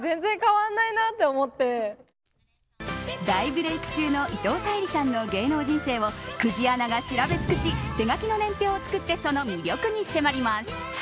大ブレイク中の伊藤沙莉さんの芸能人生を久慈アナが調べ尽くし手書きの年表を作ってその魅力に迫ります。